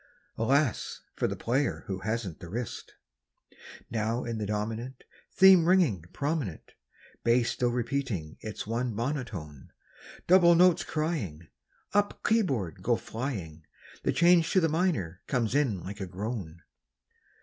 (Alas! for the player who hasn't the wrist!) Now in the dominant Theme ringing prominent, Bass still repeating its one monotone, Double notes crying, Up keyboard go flying, The change to the minor comes in like a groan.